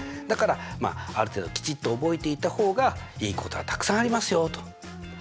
だからある程度きちっと覚えていた方がいいことがたくさんありますよと。